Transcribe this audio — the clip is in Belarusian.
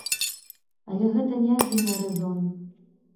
Але гэта не адзіны рэзон.